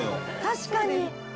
確かに。